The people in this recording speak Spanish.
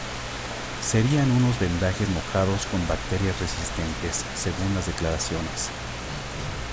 Serían unos vendajes mojados con bacterias resistentes, según las declaraciones.